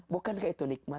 bukankah itu nikmat